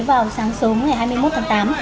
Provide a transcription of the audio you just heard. vào sáng sớm ngày hai mươi một tháng tám